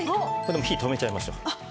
火止めちゃいましょう。